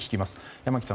山木さん